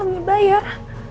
ini kan mau dibayar